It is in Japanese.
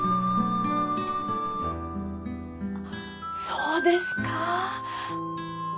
そうですか。